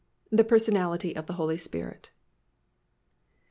THE PERSONALITY OF THE HOLY SPIRIT.